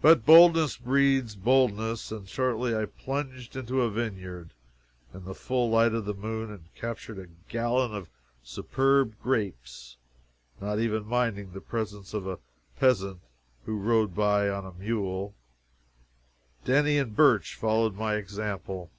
But boldness breeds boldness, and shortly I plunged into a Vineyard, in the full light of the moon, and captured a gallon of superb grapes, not even minding the presence of a peasant who rode by on a mule. Denny and Birch followed my example.